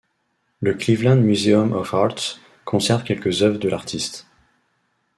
Le Cleveland Museum of Art conserve quelques œuvres de l'artiste.